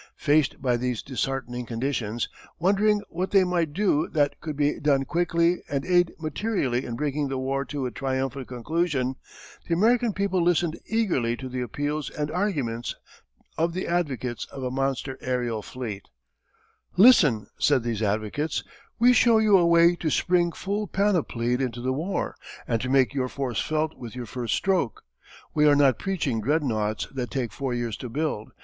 _] Faced by these disheartening conditions, wondering what they might do that could be done quickly and aid materially in bringing the war to a triumphant conclusion, the American people listened eagerly to the appeals and arguments of the advocates of a monster aërial fleet. [Illustration: © International Film Service. Cruising at 2000 Feet. One Biplane photographed from another.] Listen [said these advocates], we show you a way to spring full panoplied into the war, and to make your force felt with your first stroke. We are not preaching dreadnoughts that take four years to build.